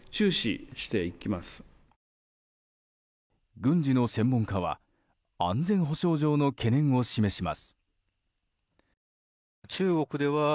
軍事の専門家は安全保障上の懸念を示します。